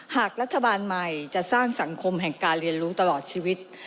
หากรัฐบาลใหม่จะสร้างสังคมแห่งการเรียนรู้ตลอดชีวิต